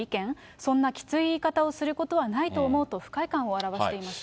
そんなきつい言い方をすることはないと思うと不快感を表していました。